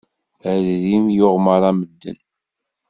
Adrim yuɣ meṛṛa medden.